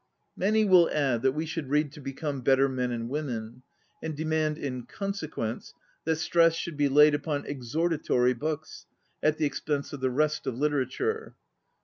Many will add that we should read to become better men and women, and demand in consequence that stress should be laid upon exhorta tory books, at the expense of the rest of literature.